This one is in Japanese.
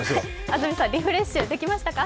安住さん、リフレッシュできましたか？